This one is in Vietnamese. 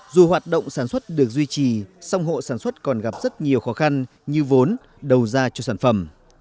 dù hoạt động sản xuất được duy trì song hộ sản xuất còn gặp rất nhiều khó khăn như vốn đầu ra cho sản phẩm